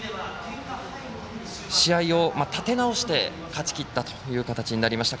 試合を立て直して勝ちきったという形になりました。